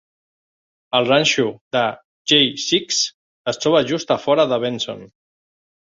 El ranxo de Jay Six es troba just a fora de Benson.